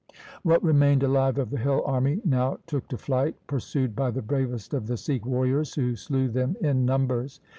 What remained alive of the hill army now took to flight pursued by the bravest of the Sikh warriors who slew them in numbers.